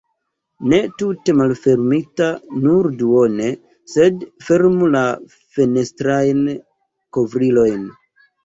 Ne tute malfermita, nur duone, sed fermu la fenestrajn kovrilojn.